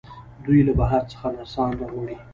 دوی له بهر څخه نرسان راوړي.